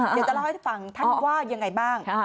เดี๋ยวจะเล่าให้ฟังท่านว่ายังไงบ้าง